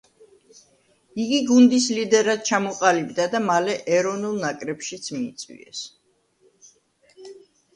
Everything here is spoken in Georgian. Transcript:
იგი გუნდის ლიდერად ჩამოყალიბდა და მალე ეროვნულ ნაკრებშიც მიიწვიეს.